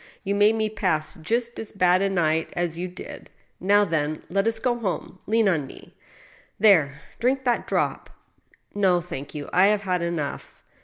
You made me pass just as bad a night as you did. Now, then, let us go home. Lean on me. There ! drink that drop." " No, thank you, I have had enough."